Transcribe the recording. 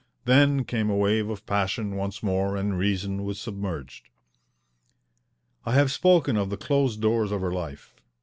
Then came a wave of passion once more and reason was submerged. I have spoken of the closed doors of her life.